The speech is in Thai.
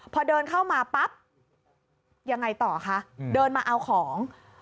พอเดินเข้ามาปั๊บยังไงต่อคะเดินมาเอาของ